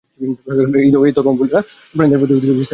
এই ধর্মাবলম্বীরা মূক প্রাণীদের প্রতি বিশেষ দয়া প্রদর্শন করে।